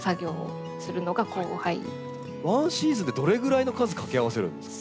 ワンシーズンでどれぐらいの数掛け合わせるんですか？